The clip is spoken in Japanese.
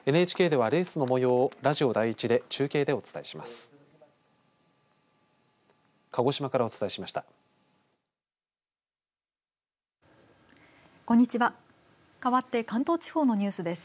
ＮＨＫではレースのもようをラジオ第１で中継でお伝えします。